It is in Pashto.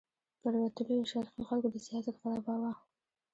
پر وتلیو شرقي خلکو د سیاست غلبه وه.